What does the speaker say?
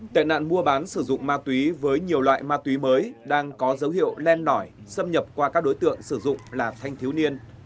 tệ nạn mua bán sử dụng ma túy với nhiều loại ma túy mới đang có dấu hiệu len lỏi xâm nhập qua các đối tượng sử dụng là thanh thiếu niên